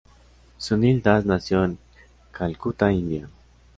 Sunil Das nació en Calcuta, India.